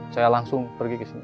saya langsung pergi ke sini